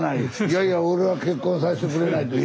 いやいや俺は結婚させてくれないと。